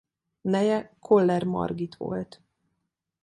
Neje Koller Margit volt.